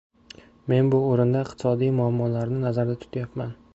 Men bu o‘rinda iqtisodiy muammolarni nazarda tutayapman.